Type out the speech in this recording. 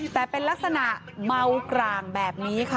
แต่เป็นลักษณะเมากร่างแบบนี้ค่ะ